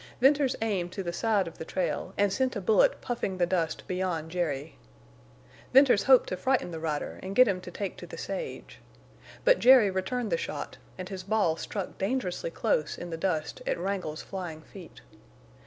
Venters aimed to the side of the trail and sent a bullet puffing the dust beyond Jerry. Venters hoped to frighten the rider and get him to take to the sage. But Jerry returned the shot, and his ball struck dangerously close in the dust at Wrangle's flying feet.